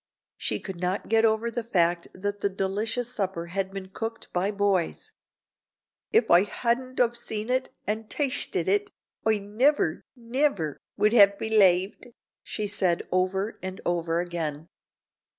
She could not get over the fact that the delicious supper had been cooked by boys. "If Oi hadnt of seen it and tashted it, Oi niver, niver would have belaved," she said over and over again.